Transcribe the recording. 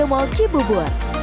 di mall cibubur